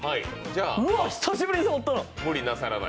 うわっ、久しぶりに触ったな！